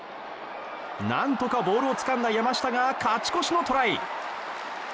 なんとかボールをつかんだ山下が勝ち越しのトライ。